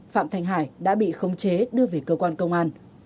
phạm thành hải đã bị khống chế đưa về cơ quan công an